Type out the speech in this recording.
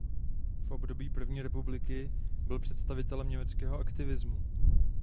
V období první republiky byl představitelem německého aktivismu.